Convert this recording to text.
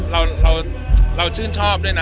เราชื่นชอบด้วยนะ